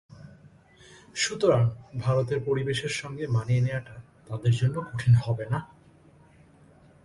সুতরাং ভারতের পরিবেশের সঙ্গে মানিয়ে নেওয়াটা তাদের জন্য কঠিন হবে না।